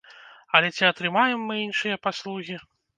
Але ці атрымаем мы іншыя паслугі?